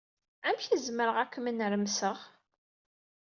Amek ay zemreɣ ad kem-nermseɣ.